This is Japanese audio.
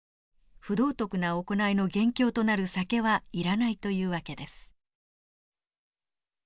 不道徳な行いの元凶となる酒はいらないという訳です。